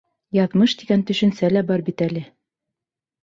Яҙмыш тигән төшөнсә лә бар бит әле.